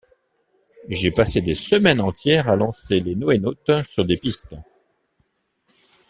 J’ai passé des semaines entières à lancer les NoéNautes sur des pistes.